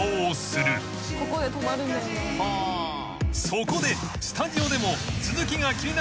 ［そこでスタジオでも］